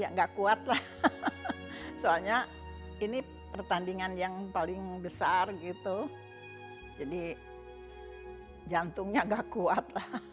ya nggak kuat lah soalnya ini pertandingan yang paling besar gitu jadi jantungnya agak kuat lah